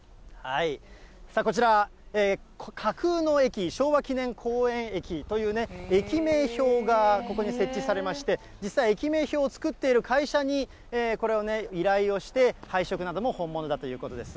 さあ、こちらは架空の駅、昭和記念公園駅という駅名標がここに設置されまして、実際、駅名標を作っている会社に、これを依頼をして、配色なども本物だということです。